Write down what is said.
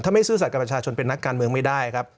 ถ้าไม่ซื่อสัตวกับประชาชนเป็นนักการเมืองไม่ได้ครับ